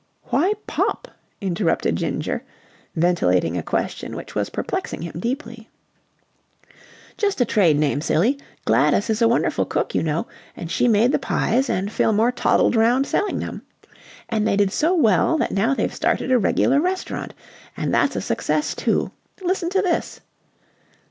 "Why Popp?" interrupted Ginger, ventilating a question which was perplexing him deeply. "Just a trade name, silly. Gladys is a wonderful cook, you know, and she made the pies and Fillmore toddled round selling them. And they did so well that now they've started a regular restaurant, and that's a success, too. Listen to this."